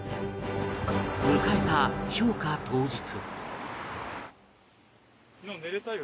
迎えた評価当日